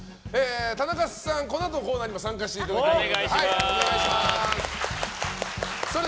田中さんはこのあとのコーナーも参加していただきます。